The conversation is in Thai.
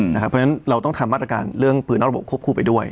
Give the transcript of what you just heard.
เพราะฉะนั้นเราต้องทำมาตรการเรื่องปืนนอกระบบควบคู่ไปด้วย